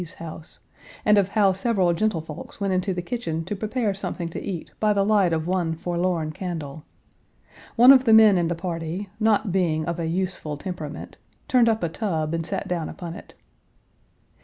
V.'s house, and of how several gentlefolks went into the kitchen to prepare something to eat by the light of one forlorn candle. One of the men in the party, not being of a useful temperament, turned up a tub and sat down upon it.